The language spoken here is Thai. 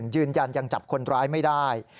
ยืนยันยังจับคนร้ายไม่ได้